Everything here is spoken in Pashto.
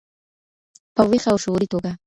په ویښه او شعوري توګه.